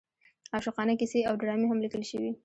عاشقانه کیسې او ډرامې هم لیکل شوې.